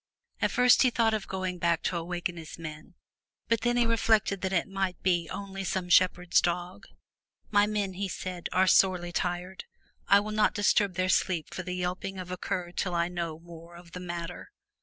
At first he thought of going back to awaken his men, but then he reflected that it might be only some shepherd's dog. *'My men,'' he said, are sorely tired. I will not disturb their sleep for the yelping of a cur till I know more of the matter."